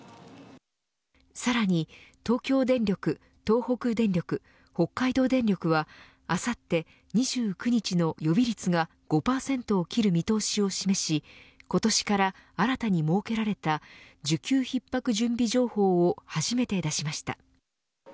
さらに東京電力東北電力、北海道電力はあさって２９日の予備率が５％を切る見通しを示し今年から新たに設けられた需給ひっ迫準備情報を初めて出しました。